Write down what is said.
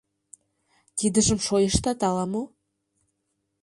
Тидыжым шойыштат ала-мо?